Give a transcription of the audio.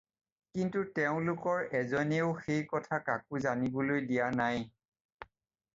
কিন্তু তেওঁলোকৰ এজনেও সেই কথা কাকো জানিবলৈ দিয়া নাই।